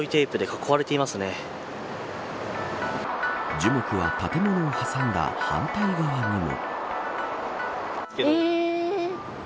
樹木は、建物を挟んだ反対側にも。